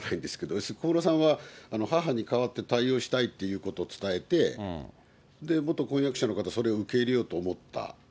要するに小室さんは、母に代わって対応したいということを伝えて、元婚約者の方は、それを受け入れようと思った。